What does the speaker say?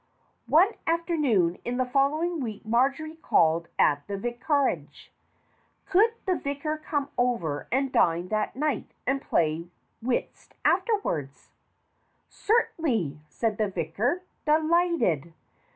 One afternoon in the following week Marjory called at the Vicarage. Could the vicar come over and dine that night and play whist afterwards ? "Certainly!" said the vicar. "Delighted.